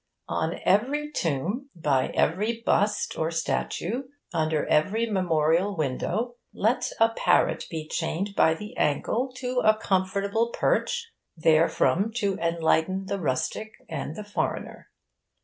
On every tomb, by every bust or statue, under every memorial window, let a parrot be chained by the ankle to a comfortable perch, therefrom to enlighten the rustic and the foreigner.